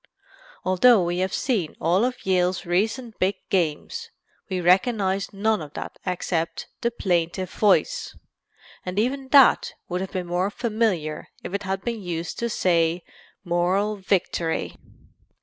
Although we have seen all of Yale's recent big games we recognized none of that except "the plaintive voice" and even that would have been more familiar if it had been used to say "Moral victory!"